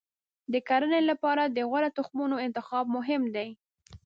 د کرنې لپاره د غوره تخمونو انتخاب مهم دی.